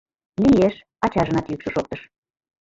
— Лиеш, — ачажынат йӱкшӧ шоктыш.